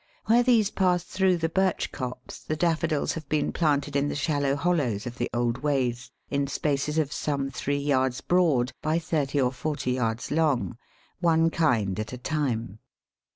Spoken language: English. Where these pass through the birch copse the Daffodils have been planted in the shallow hollows of the old ways, in spaces of some three yards broad by thirty or forty yards long one kind at a time.